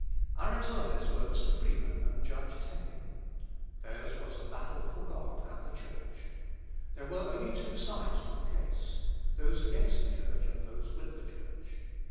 Our attorneys were Mr. Freeman and Judge Tenney. Theirs was a battle for God and the Church. There were only two sides to the case. Those against the Church and those with the Church.